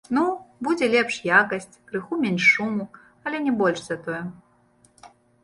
Ну, будзе лепшай якасць, крыху менш шуму, але не больш за тое.